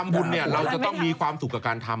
บุญเนี่ยเราจะต้องมีความสุขกับการทำ